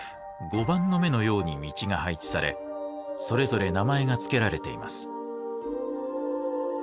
碁盤の目のように道が配置されそれぞれ名前が付けられています。